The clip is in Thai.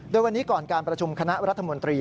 โดยวันนี้ก่อนการประชุมคณะรัฐมนตรี